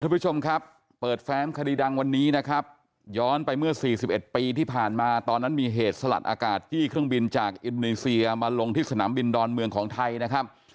ผู้ชมครับเปิดแฟ้มคดีดังวันนี้นะครับย้อนไปเมื่อสี่สิบเอ็ดปีที่ผ่านมาตอนนั้นมีเหตุสลัดอากาศจี้เครื่องบินจากอินโดนีเซียมาลงที่สนามบินดอนเมืองของไทยนะครับ